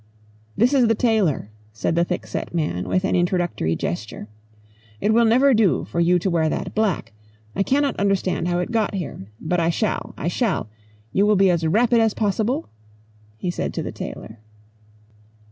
"This is the tailor," said the thickset man with an introductory gesture. "It will never do for you to wear that black. I cannot understand how it got here. But I shall. I shall. You will be as rapid as possible?" he said to the tailor.